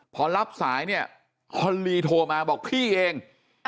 พอรับสายเนี่ยฮอนลีโทรมาบอกพี่เอง